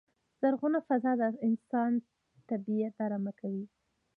زرغونه فضا د انسان طبیعت ارامه کوی.